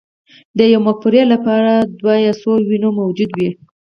د یوې مفکورې لپاره دوه یا څو ویونه موجود وي